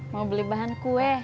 mau beli bahan kue